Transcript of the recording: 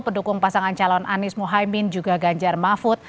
pendukung pasangan calon anies mohaimin juga ganjar mahfud